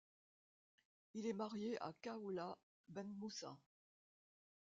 Il est marié à Khawla Benmoussa.